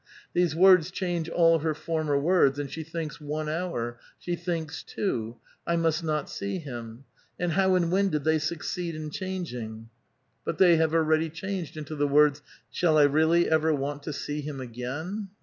These words change all her former words, and she thinks one hour; she thinks two, *'I must not see him"; and how and when did they succeed in changing? but the}' have already changed into the words: '•Shall I really ever want to see him again?